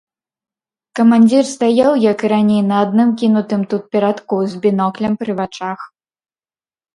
Камандзір стаяў, як і раней, на адным кінутым тут перадку, з біноклем пры вачах.